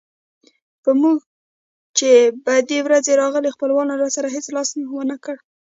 په موږ چې بدې ورځې راغلې خپلوانو راسره هېڅ لاس ونه کړ.